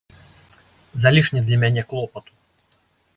Залішне для мяне клопату.